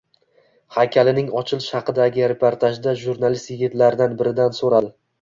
Haykalining ochilishi haqidagi reportajda jurnalist yigitlardan biridan so'radi